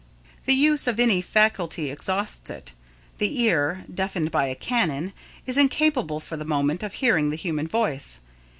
The use of any faculty exhausts it. The ear, deafened by a cannon, is incapable for the moment of hearing the human voice.